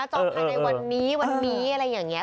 จองภายในวันนี้วันนี้อะไรอย่างนี้